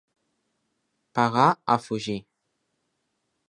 Pegar a fugir.